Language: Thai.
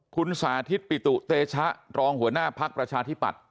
คุณสาธิตปิตุเตชะรองหัวหน้าภักดิ์ประชาธิปัตย